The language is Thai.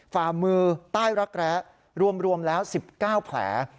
ฝ่ามือใต้รักแร้รวมแล้ว๑๙แผล